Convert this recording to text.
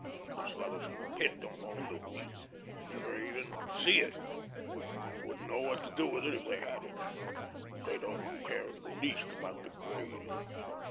Those fellows in the Pit don't own the wheat; never even see it. Wou'dn't know what to do with it if they had it. They don't care in the least about the grain.